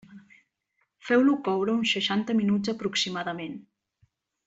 Feu-lo coure uns seixanta minuts aproximadament.